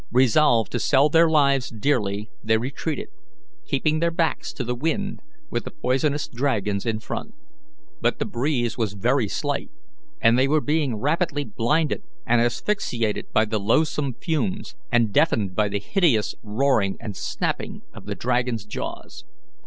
Resolved to sell their lives dearly, they retreated, keeping their backs to the wind, with the poisonous dragons in front. But the breeze was very slight, and they were being rapidly blinded and asphyxiated by the loathsome fumes, and deafened by the hideous roaring and snapping of the dragons' jaws.